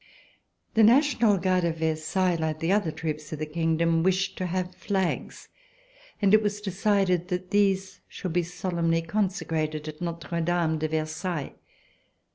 The National Guard of Versailles, like the other troops of the kingdom, wished to have flags, and it was decided that these should be solemnly con secrated at Notre Dame de Versailles.